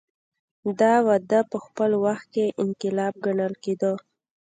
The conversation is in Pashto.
دا وده په خپل وخت کې انقلاب ګڼل کېده.